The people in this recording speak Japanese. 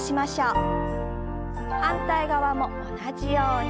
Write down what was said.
反対側も同じように。